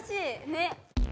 ねっ。